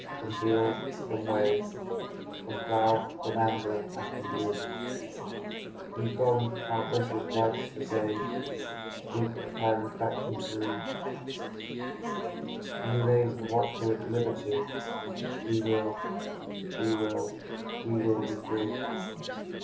from field, from wave, From plough, from anvil, and from loom; We come, our country's rights to save, And speak a tyrant faction's doom: We raise the watch word liberty; We will, we will, we will be free!